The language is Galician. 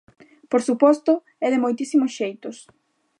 Por suposto, e de moitísimos xeitos.